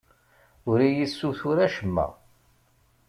Ur iyi-ssutur acemma.